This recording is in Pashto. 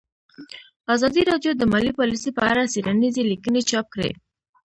ازادي راډیو د مالي پالیسي په اړه څېړنیزې لیکنې چاپ کړي.